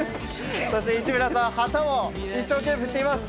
そして市村さん旗を一生懸命振っています。